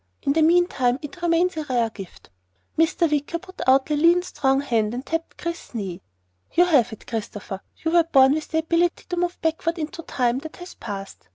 In the meantime it remains a rare gift." Mr. Wicker put out a lean strong hand and tapped Chris's knee. "You have it, Christopher. You were born with the ability to move backward into time that has passed.